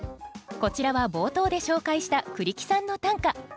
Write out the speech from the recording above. こちらは冒頭で紹介した栗木さんの短歌。